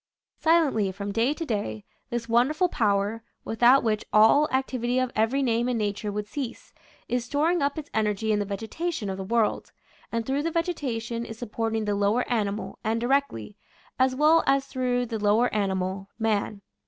Silently, from day to day, this wonder ful power, without which all activity of every name and nature would cease, is storing up its energy in the vegetation of the world, and through the vegetation is supporting the lower animal, and directly, as well as through tho / i . Original from UNIVERSITY OF WISCONSIN 162 nature's dbtracles. lower animal, man.